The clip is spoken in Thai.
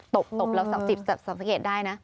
ตบเราสังสิบสังเกตได้นะ